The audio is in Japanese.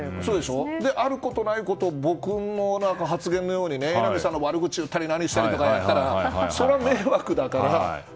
で、あることないことを僕の発言のように榎並さんの悪口とか言われたらそれは迷惑だから。